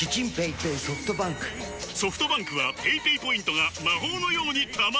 ソフトバンクはペイペイポイントが魔法のように貯まる！